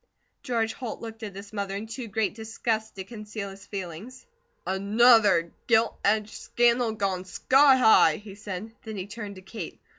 George Holt looked at his mother in too great disgust to conceal his feelings. "ANOTHER gilt edged scandal gone sky high," he said. Then he turned to Kate.